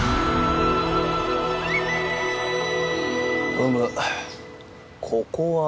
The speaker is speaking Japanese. ふむここは？